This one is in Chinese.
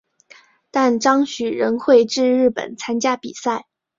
但张栩仍会至日本参加比赛。